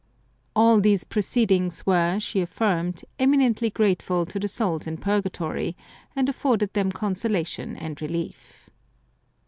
All these proceedings were, she affirmed, eminently grateful to the souls in Purgatory, and afforded them consolation and relief.